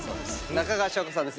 中川翔子さんです。